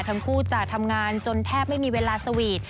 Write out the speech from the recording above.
ทั้งคู่จะทำงานจนแทบไม่มีเวลาสวีท